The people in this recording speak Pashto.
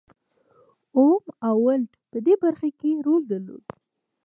اوم او ولټ په دې برخه کې رول درلود.